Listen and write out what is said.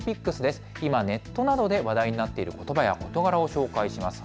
今、ネットなどで話題になっていることばや事柄を紹介します。